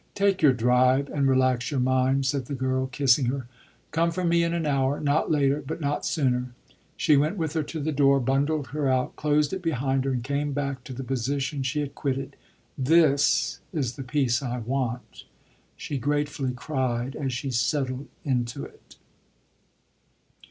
"Take your drive and relax your mind," said the girl, kissing her. "Come for me in an hour; not later but not sooner." She went with her to the door, bundled her out, closed it behind her and came back to the position she had quitted. "This is the peace I want!" she gratefully cried as she settled into it.